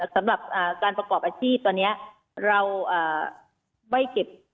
สำหรับการประกอบอาชีพตอนนี้เราไม่เก็บ